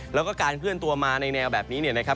แล้วก็การเคลื่อนตัวมาในแนวแบบนี้เนี่ยนะครับ